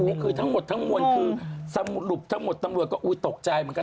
ก็คือทั้งหมดทั้งมวลคือสรุปทั้งหมดตำรวจก็อุ้ยตกใจเหมือนกัน